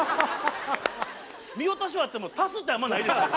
見落としはあっても足すってあんまないですよ